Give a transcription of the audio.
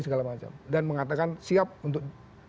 segala macam dan mengatakan siap untuk